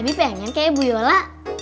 tapi pengen kayak bu yola